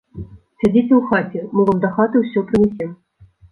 Сядзіце ў хаце, мы вам дахаты ўсё прынясем.